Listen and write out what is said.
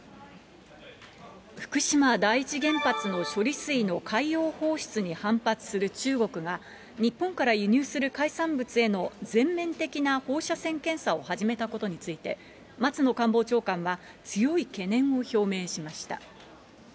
福島第一原発の処理水の海洋放出に反発する中国が、日本から輸入する海産物への全面的な放射線検査を始めたことについて、松野官房長官は強い懸念を表明しました。